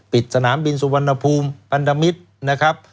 สนามบินสุวรรณภูมิพันธมิตรนะครับ